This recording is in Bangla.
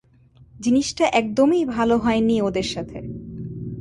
জিনিসটা একদমই ভালো হয়নি ওদের সাথে।